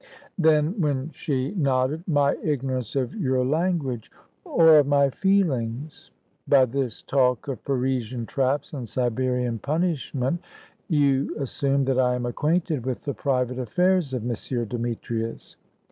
Then, when she nodded, "My ignorance of your language " "Or of my feelings? By this talk of Parisian traps and Siberian punishment, you assume that I am acquainted with the private affairs of M. Demetrius."